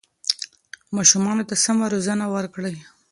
ماشومانو ته سمه روزنه ورکړئ.